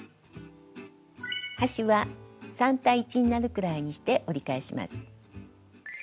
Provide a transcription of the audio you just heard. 端は３対１になるくらいにして折り返します。